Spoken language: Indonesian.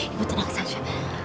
ibu tenang saja